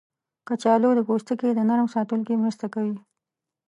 کچالو د پوستکي د نرم ساتلو کې مرسته کوي.